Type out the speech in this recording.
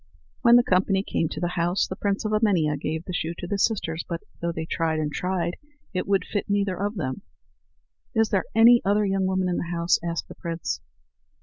When the company came to the house, the prince of Emania gave the shoe to the sisters. But though they tried and tried, it would fit neither of them. "Is there any other young woman in the house?" asked the prince.